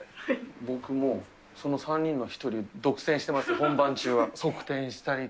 僕もう、３人のうちの１人独占してます、本番中は。